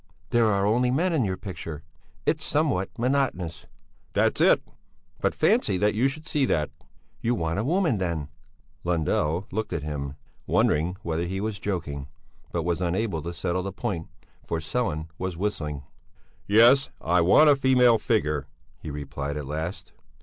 "There are only men in your picture. It's somewhat monotonous." "That's it! But fancy, that you should see that!" "You want a woman then?" Lundell looked at him, wondering whether he was joking, but was unable to settle the point, for Sellén was whistling. "Yes, I want a female figure," he replied at last.